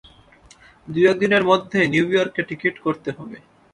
দু-এক দিনের মধ্যেই নিউ ইয়র্কের টিকিট করতে হবে।